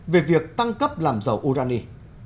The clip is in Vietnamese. về việc tăng cấp làm giàu urani